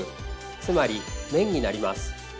つまり面になります。